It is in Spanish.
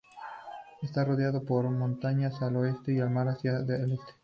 Está rodeada por montañas al oeste y el mar hacia el este.